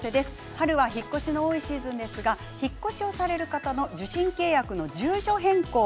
春は引っ越しの多いシーズンですがお引っ越しをされる方の受信契約の住所変更